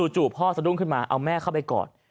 พ่อสะดุ้งขึ้นมาเอาแม่เข้าไปกอด